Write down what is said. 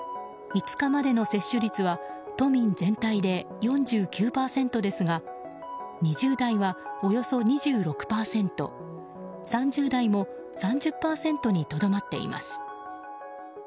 ５日までの接種率は都民全体で４９％ですが２０代はおよそ２６％、３０代も３０％にとどまっています。